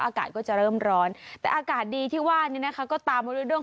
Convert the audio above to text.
อากาศก็จะเริ่มร้อนแต่อากาศดีที่ว่านี้นะคะก็ตามมาด้วย